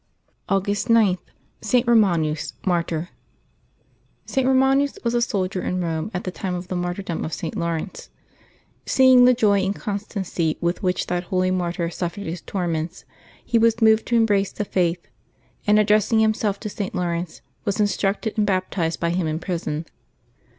August 9.— ST. ROMANUS, Martyr. [t. Eomaxus was a soldier in Eome at the time of the martyrdom of St. Laurence. Seeing the joy and constancy with which that holy martyr suffered his tor ments, he was moved to embrace the Faith, and addressing himself to St. Laurence, was instructed and baptized by him in prison.